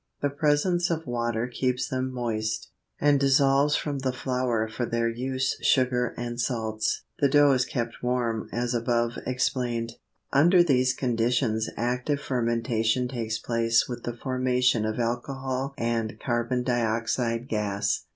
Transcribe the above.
The presence of water keeps them moist, and dissolves from the flour for their use sugar and salts: the dough is kept warm as above explained. Under these conditions active fermentation takes place with the formation of alcohol and carbon dioxide gas.